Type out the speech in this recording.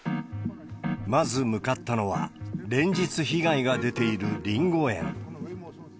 まず向かったのは、連日被害が出ているリンゴ園。